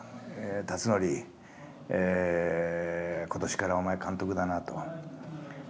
「辰徳今年からお前監督だな」と。